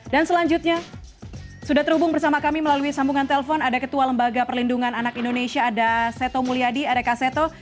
dan selanjutnya sudah terhubung bersama kami melalui sambungan telepon ada ketua lembaga perlindungan anak indonesia ada seto mulyadi ada kak seto